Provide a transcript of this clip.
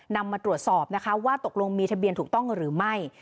มาตรวจสอบนะคะว่าตกลงมีทะเบียนถูกต้องหรือไม่